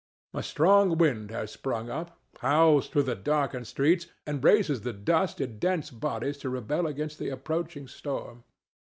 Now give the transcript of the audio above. A strong wind has sprung up, howls through the darkened streets, and raises the dust in dense bodies to rebel against the approaching storm.